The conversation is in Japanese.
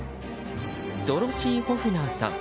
ドロシー・ホフナーさん